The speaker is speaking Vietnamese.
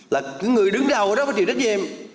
là người đứng đầu đó phải chịu trách nhiệm